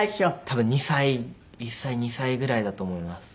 多分２歳１歳２歳ぐらいだと思います。